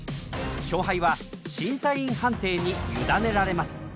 勝敗は審査員判定に委ねられます。